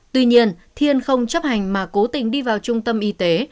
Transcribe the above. tuy nhiên thiên không chấp hành mà cố tình đi vào trung tâm y tế